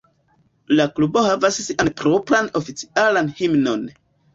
La klubo havas sian propran oficialan himnon.